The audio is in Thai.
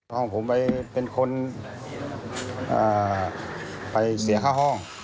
ห้องผมไปเป็นคนไปเสียค่าห้อง